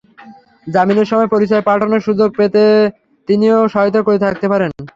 জামিনের সময় পরিচয় পাল্টানোর সুযোগ পেতে তিনিও সহায়তা করে থাকতে পারেন।